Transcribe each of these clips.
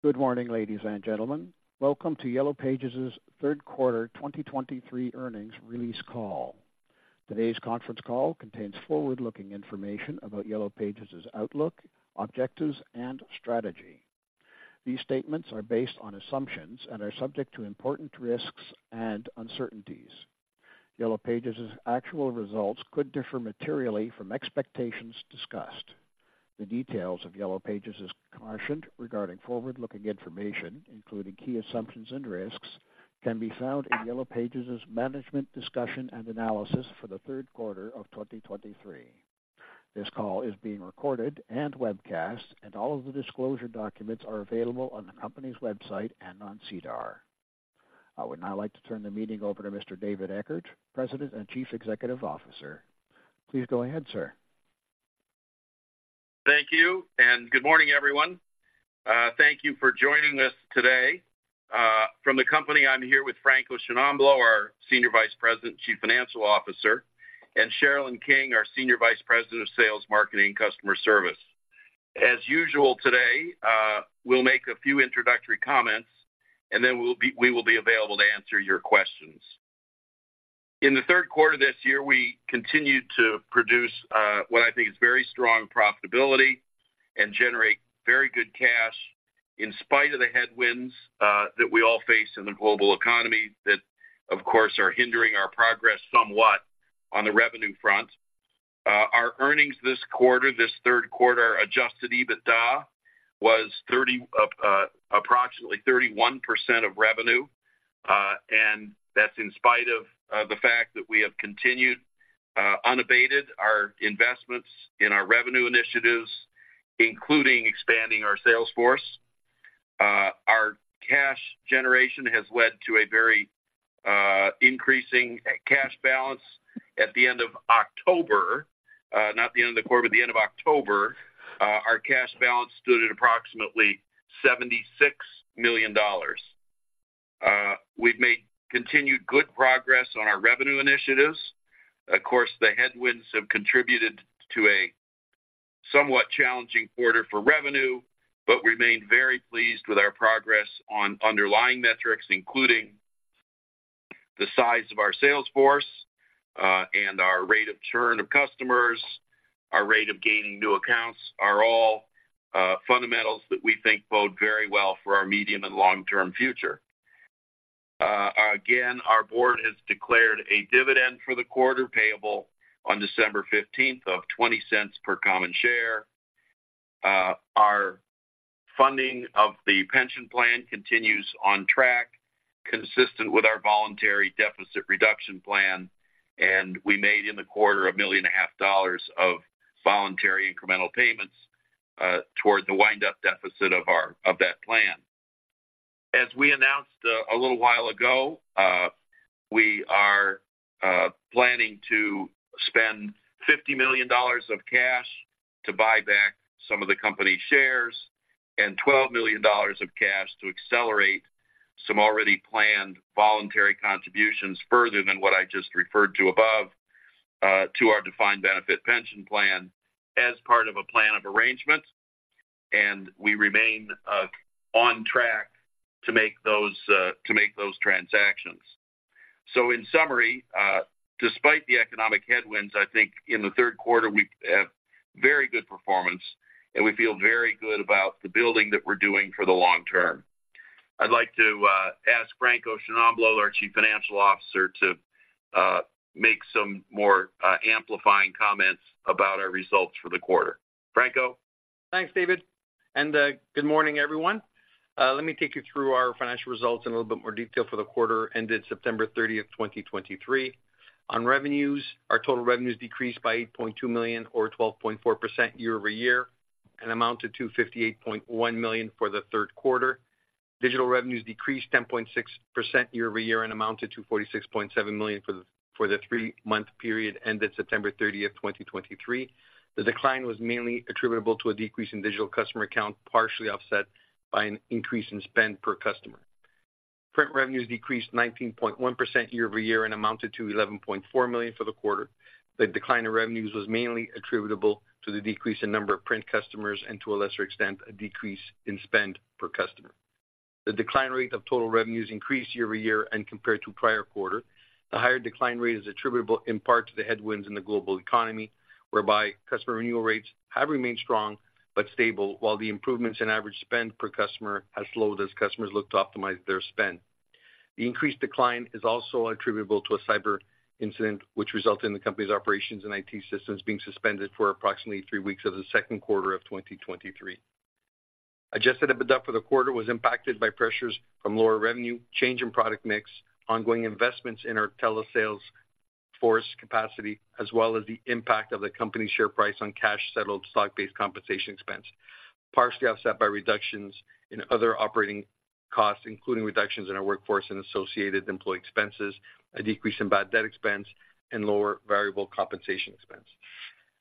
Good morning, ladies and gentlemen. Welcome to Yellow Pages' third quarter 2023 earnings release call. Today's conference call contains forward-looking information about Yellow Pages' outlook, objectives, and strategy. These statements are based on assumptions and are subject to important risks and uncertainties. Yellow Pages' actual results could differ materially from expectations discussed. The details of Yellow Pages' caution regarding forward-looking information, including key assumptions and risks, can be found in Yellow Pages' Management Discussion and Analysis for the third quarter of 2023. This call is being recorded and webcast, and all of the disclosure documents are available on the company's website and on SEDAR. I would now like to turn the meeting over to Mr. David Eckert, President and Chief Executive Officer. Please go ahead, sir. Thank you, and good morning, everyone. Thank you for joining us today. From the company, I'm here with Franco Sciannamblo, our Senior Vice President, Chief Financial Officer, and Sherilyn King, our Senior Vice President of Sales, Marketing, and Customer Service. As usual, today, we'll make a few introductory comments, and then we'll be, we will be available to answer your questions. In the third quarter this year, we continued to produce what I think is very strong profitability and generate very good cash, in spite of the headwinds that we all face in the global economy, that, of course, are hindering our progress somewhat on the revenue front. Our earnings this quarter, this third quarter, Adjusted EBITDA, was approximately 31% of revenue. And that's in spite of the fact that we have continued unabated our investments in our revenue initiatives, including expanding our sales force. Our cash generation has led to a very increasing cash balance at the end of October, not the end of the quarter, but the end of October. Our cash balance stood at approximately 76 million dollars. We've made continued good progress on our revenue initiatives. Of course, the headwinds have contributed to a somewhat challenging quarter for revenue, but remained very pleased with our progress on underlying metrics, including the size of our sales force, and our rate of churn of customers. Our rate of gaining new accounts are all fundamentals that we think bode very well for our medium and long-term future. Again, our board has declared a dividend for the quarter, payable on December 15, of 0.20 per common share. Our funding of the pension plan continues on track, consistent with our voluntary deficit reduction plan, and we made, in the quarter, 1.5 million of voluntary incremental payments toward the wind-up deficit of that plan. As we announced a little while ago, we are planning to spend 50 million dollars of cash to buy back some of the company shares and 12 million dollars of cash to accelerate some already planned voluntary contributions further than what I just referred to above to our defined benefit pension plan as part of a Plan of Arrangement, and we remain on track to make those transactions. So in summary, despite the economic headwinds, I think in the third quarter, we had very good performance, and we feel very good about the building that we're doing for the long term. I'd like to ask Franco Sciannamblo, our Chief Financial Officer, to make some more amplifying comments about our results for the quarter. Franco? Thanks, David, and good morning, everyone. Let me take you through our financial results in a little bit more detail for the quarter ended September 30, 2023. On revenues, our total revenues decreased by 8.2 million, or 12.4% year-over-year, and amounted to 58.1 million for the third quarter. Digital revenues decreased 10.6% year-over-year and amounted to 46.7 million for the three-month period ended September 30, 2023. The decline was mainly attributable to a decrease in digital customer count, partially offset by an increase in spend per customer. Print revenues decreased 19.1% year-over-year and amounted to 11.4 million for the quarter. The decline in revenues was mainly attributable to the decrease in number of print customers and, to a lesser extent, a decrease in spend per customer. The decline rate of total revenues increased year-over-year and compared to prior quarter. The higher decline rate is attributable in part to the headwinds in the global economy, whereby customer renewal rates have remained strong but stable, while the improvements in average spend per customer has slowed as customers look to optimize their spend. The increased decline is also attributable to a cyber incident, which resulted in the company's operations and IT systems being suspended for approximately three weeks of the second quarter of 2023. Adjusted EBITDA for the quarter was impacted by pressures from lower revenue, change in product mix, ongoing investments in our telesales force capacity, as well as the impact of the company's share price on cash settled stock-based compensation expense, partially offset by reductions in other operating costs, including reductions in our workforce and associated employee expenses, a decrease in bad debt expense, and lower variable compensation expense.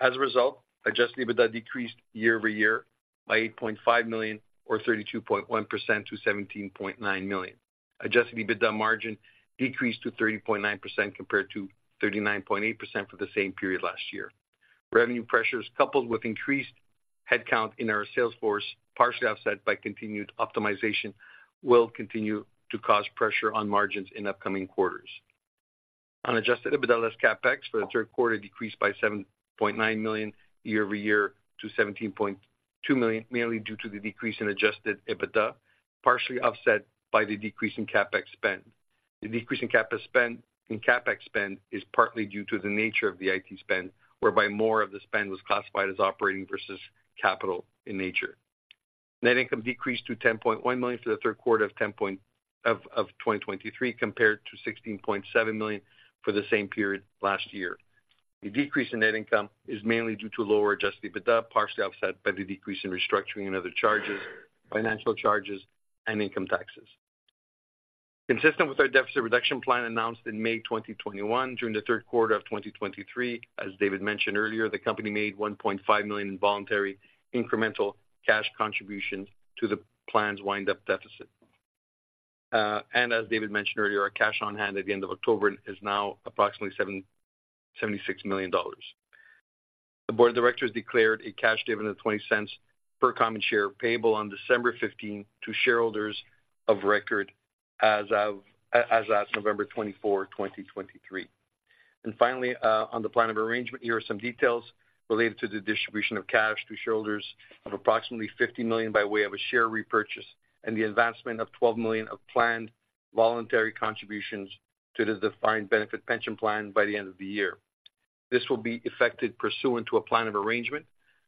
As a result, adjusted EBITDA decreased year-over-year by 8.5 million, or 32.1% to 17.9 million. Adjusted EBITDA margin decreased to 30.9%, compared to 39.8% for the same period last year.... Revenue pressures, coupled with increased headcount in our sales force, partially offset by continued optimization, will continue to cause pressure on margins in upcoming quarters. Unadjusted EBITDA less CapEx for the third quarter decreased by 7.9 million year-over-year to 17.2 million, mainly due to the decrease in adjusted EBITDA, partially offset by the decrease in CapEx spend. The decrease in CapEx spend, in CapEx spend is partly due to the nature of the IT spend, whereby more of the spend was classified as operating versus capital in nature. Net income decreased to 10.1 million for the third quarter of 2023, compared to 16.7 million for the same period last year. The decrease in net income is mainly due to lower adjusted EBITDA, partially offset by the decrease in restructuring and other charges, financial charges, and income taxes. Consistent with our deficit reduction plan announced in May 2021, during the third quarter of 2023, as David mentioned earlier, the company made 1.5 million in voluntary incremental cash contributions to the plan's wind-up deficit. And as David mentioned earlier, our cash on hand at the end of October is now approximately 76 million dollars. The board of directors declared a cash dividend of 0.20 per common share, payable on December 15, to shareholders of record as of, as at November 24, 2023. And finally, on the plan of arrangement, here are some details related to the distribution of cash to shareholders of approximately 50 million by way of a share repurchase and the advancement of 12 million of planned voluntary contributions to the defined benefit pension plan by the end of the year. This will be effected pursuant to a Plan of Arrangement,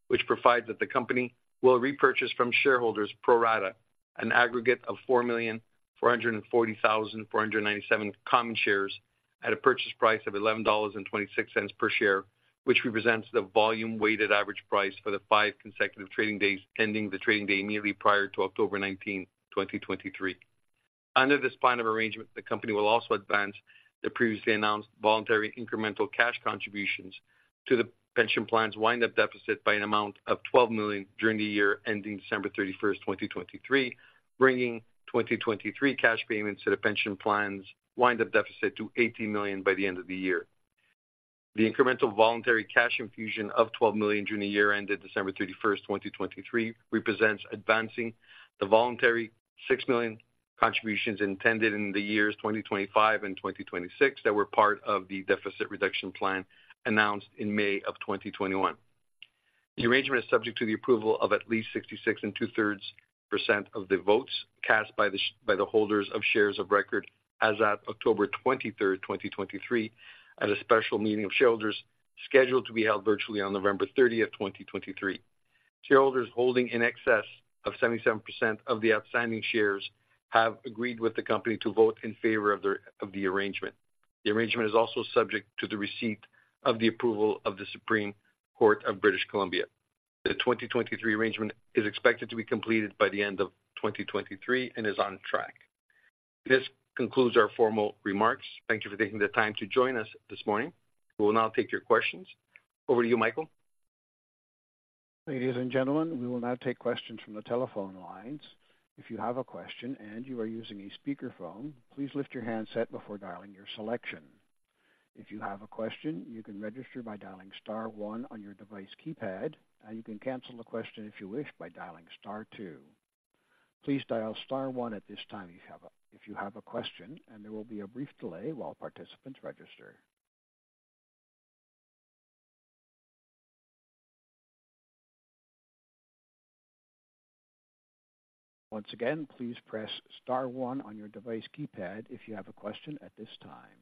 which provides that the company will repurchase from shareholders pro rata, an aggregate of 4,440,497 common shares at a purchase price of 11.26 dollars per share, which represents the volume-weighted average price for the 5 consecutive trading days ending the trading day immediately prior to October 19, 2023. Under this Plan of Arrangement, the company will also advance the previously announced voluntary incremental cash contributions to the pension plan's wind-up deficit by an amount of 12 million during the year ending December 31, 2023, bringing 2023 cash payments to the pension plan's wind-up deficit to 80 million by the end of the year. The incremental voluntary cash infusion of 12 million during the year ended December 31, 2023, represents advancing the voluntary 6 million contributions intended in the years 2025 and 2026, that were part of the deficit reduction plan announced in May 2021. The arrangement is subject to the approval of at least 66 2/3% of the votes cast by the holders of shares of record as at October 23, 2023, at a special meeting of shareholders scheduled to be held virtually on November 30, 2023. Shareholders holding in excess of 77% of the outstanding shares have agreed with the company to vote in favor of the arrangement. The arrangement is also subject to the receipt of the approval of the Supreme Court of British Columbia. The 2023 arrangement is expected to be completed by the end of 2023 and is on track. This concludes our formal remarks. Thank you for taking the time to join us this morning. We will now take your questions. Over to you, Michael. Ladies and gentlemen, we will now take questions from the telephone lines. If you have a question and you are using a speakerphone, please lift your handset before dialing your selection. If you have a question, you can register by dialing star one on your device keypad, and you can cancel the question if you wish, by dialing star two. Please dial star one at this time if you have a question, and there will be a brief delay while participants register. Once again, please press star one on your device keypad if you have a question at this time.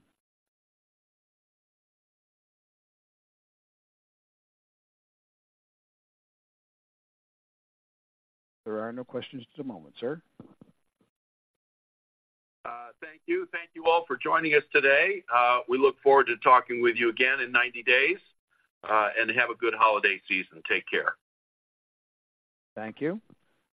There are no questions at the moment, sir. Thank you. Thank you all for joining us today. We look forward to talking with you again in 90 days, and have a good holiday season. Take care. Thank you.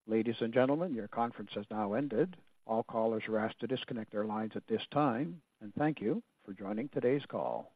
Ladies and gentlemen, your conference has now ended. All callers are asked to disconnect their lines at this time, and thank you for joining today's call.